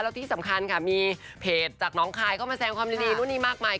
แล้วที่สำคัญค่ะมีเพจจากน้องคายเข้ามาแสงความดีนู่นนี่มากมาย